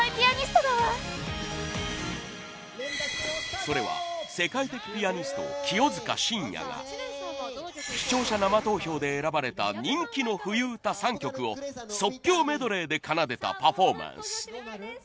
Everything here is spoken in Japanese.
それは世界的ピアニスト清塚信也が視聴者生投票で選ばれた人気の冬うた３曲を即興メドレーで奏でたパフォーマンス。